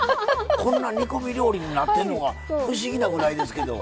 こんな煮込み料理になってんのが不思議なぐらいですけど。